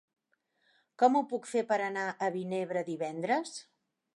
Com ho puc fer per anar a Vinebre divendres?